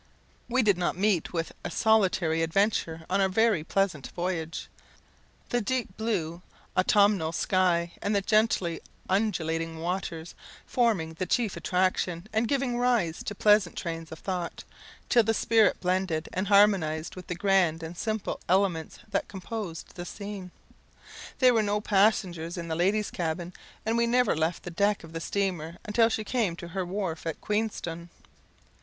We did not meet with a solitary adventure on our very pleasant voyage; the deep blue autumnal sky, and the gently undulating waters, forming the chief attraction, and giving rise to pleasant trains of thought, till the spirit blended and harmonized with the grand and simple elements that composed the scene. There were no passengers in the ladies' cabin, and we never left the deck of the steamer until she came to her wharf at Queenstone.